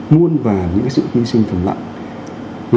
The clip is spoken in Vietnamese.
muôn và những sự hy sinh thầm lặng